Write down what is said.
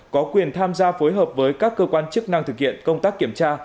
có quyền tham gia phối hợp với các cơ quan chức năng thực hiện công tác kiểm tra